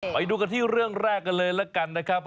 ไปดูกันที่เรื่องแรกกันเลยละกันนะครับ